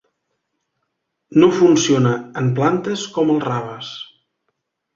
No funciona en plantes com els raves.